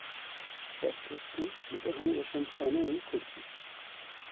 Serkeftin ji bo hemû weşanxaneyên kurdî.